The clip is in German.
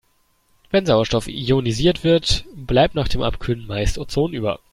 Wenn Sauerstoff ionisiert wird, bleibt nach dem Abkühlen meist Ozon über.